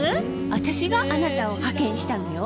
私があなたを派遣したのよ。